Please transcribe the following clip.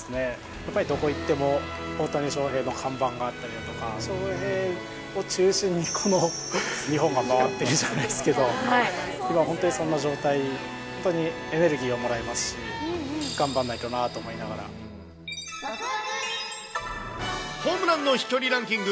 やっぱりどこ行っても、大谷翔平の看板があったりだとか、翔平を中心にこの日本が回ってるじゃないですけど、今本当にそんな状態、本当にエネルギーをもらいますし、ホームランの飛距離ランキング